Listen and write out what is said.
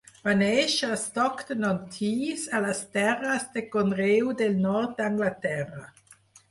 Va néixer a Stockton-on-Tees a les terres de conreu del nord d'Anglaterra.